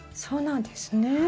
そうなんですね。